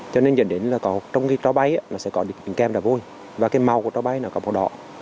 cho nên dẫn đến là có trong cái cho bay nó sẽ có những kem đá vôi và cái màu của cho bay nó có màu đỏ